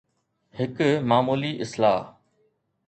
هڪ معمولي اصلاح.